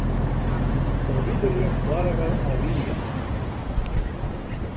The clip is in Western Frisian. Ferwiderje foarige alinea.